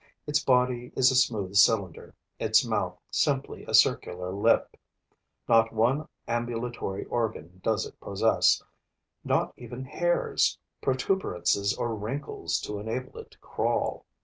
Its body is a smooth cylinder; its mouth simply a circular lip. Not one ambulatory organ does it possess; not even hairs, protuberances or wrinkles to enable it to crawl.